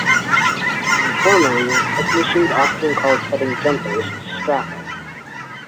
Informally, technicians often call setting jumpers "strapping".